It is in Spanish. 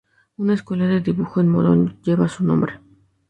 Una escuela de dibujo en Morón, lleva su nombre.